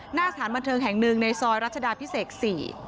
หน้าสถานบันเทิงแห่งหนึ่งในซอยรัชดาพิเศษ๔